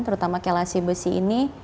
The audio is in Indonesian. terutama kelase besi ini